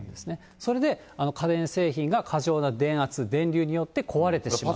それで、家電製品が過剰な電圧、電流によって壊れてしまう。